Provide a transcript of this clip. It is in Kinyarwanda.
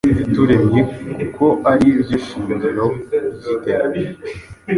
yaturemye kuko ari byo shingiro ry’iterambere